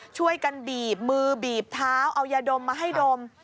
บีบมือบีบเท้าเอายาดมมาให้ดม